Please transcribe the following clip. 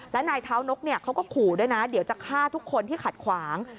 และนายเท้านกเขาก็ขู่ด้วยนะเดี๋ยวจะฆ่าทุกคนที่ขัดขวาง